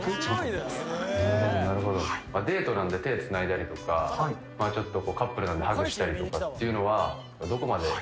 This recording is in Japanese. なるほどなるほどデートなんで手つないだりとかカップルなんでハグしたりとかっていうのはどこまで？